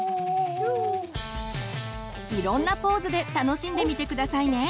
いろんなポーズで楽しんでみて下さいね。